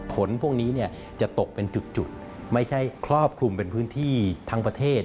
ฝนพวกนี้จะตกเป็นจุดไม่ใช่ครอบคลุมเป็นพื้นที่ทั้งประเทศ